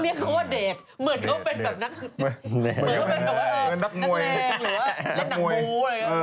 นี่เขาว่าเด็กเหมือนเขาเป็นนักเหมือนเขาเป็นนักแรงหรือว่านักหนูอะไรอย่างนี้